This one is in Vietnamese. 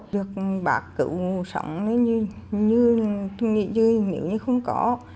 được bác cứu sống như tôi nghĩ chưa nếu như không có